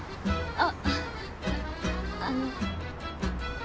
あっあの。